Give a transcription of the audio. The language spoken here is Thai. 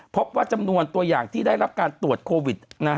พบว่าจำนวนตัวอย่างที่ได้รับการตรวจโควิด